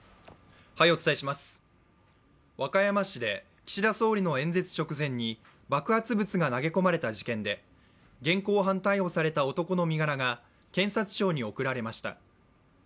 和歌山市で岸田総理の演説直前に爆発物が投げ込まれた事件で現行犯逮捕された男の身柄が検察庁に送られました。